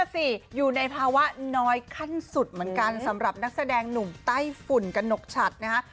สิอยู่ในภาวะน้อยขั้นสุดเหมือนกันสำหรับนักแสดงหนุ่มไต้ฝุ่นกระหนกฉัดนะฮะ